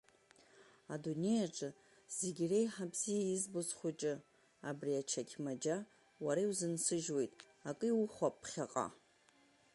Адунеиаҿ зегь реиҳа бзиа избо схәыҷы, абри ачақьмаџьа уара иузынсыжьуеит, акы иухәап ԥхьаҟа.